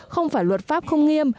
không phải luật pháp không nghiêm